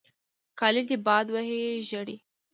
کالې دې باد وهي ژړې.